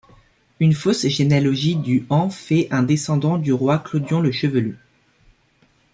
Une fausse généalogie du en fait un descendant du roi Clodion le Chevelu.